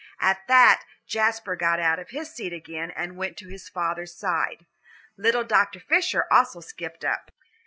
At that Jasper got out of his seat again and went to his father's side. Little Dr. Fisher also skipped up.